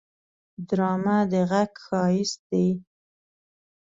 ډرامه د غږ ښايست دی